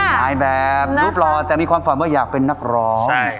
นายแบบรูปหล่อแต่มีความฝันว่าอยากเป็นนักร้อง